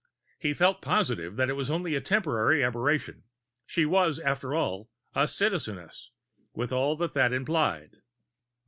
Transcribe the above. He felt positive that it was only a temporary aberration; she was, after all, a Citizeness, with all that that implied.